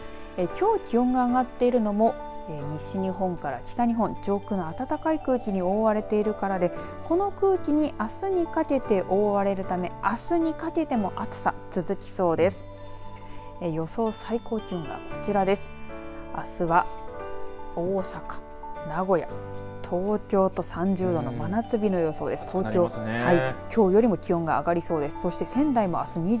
きょう気温が上がっているのも西日本から北日本、上空の暖かい空気に覆われているからでこの空気、あすにかけて覆われるためあすにかけても暑さ続きそうです。